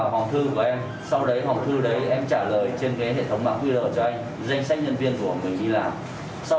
sau đó anh sẽ dựa vào danh sách nhân viên của em anh sẽ dựa người đi làm cho em